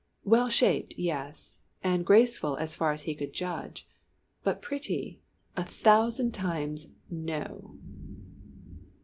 Well shaped yes and graceful as far as he could judge; but pretty a thousand times No!